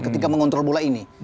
ketika mengontrol bola ini